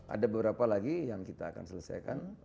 ada beberapa lagi yang kita akan selesaikan